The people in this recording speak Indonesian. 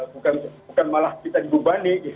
bukan malah kita dibubani gitu kan